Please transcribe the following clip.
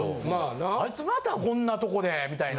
あいつまたこんなとこでみたいな。